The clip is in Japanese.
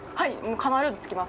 必ず着きます。